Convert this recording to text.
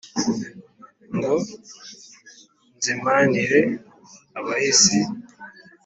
Ngo nzimanire abahisi